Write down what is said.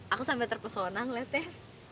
aku sampai terpesona ngeliatnya